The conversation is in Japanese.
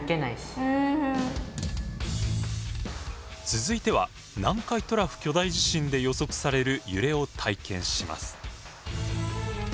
続いては南海トラフ巨大地震で予測される揺れを体験します。